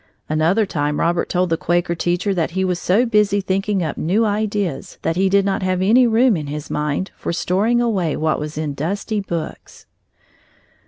Another time Robert told the Quaker teacher that he was so busy thinking up new ideas that he did not have any room in his mind for storing away what was in dusty books!